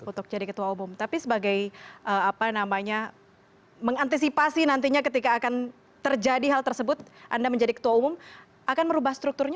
untuk jadi ketua umum tapi sebagai apa namanya mengantisipasi nantinya ketika akan terjadi hal tersebut anda menjadi ketua umum akan merubah strukturnya